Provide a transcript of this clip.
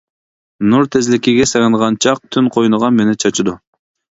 نۇر تېزلىكىگە سېغىنغان چاق تۈن قوينىغا مېنى چاچىدۇ.